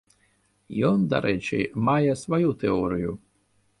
Ён, дарэчы, мае сваю тэорыю.